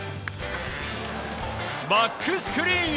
バックスクリーンへ。